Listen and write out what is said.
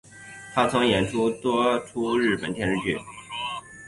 她曾演出多出日本电视剧。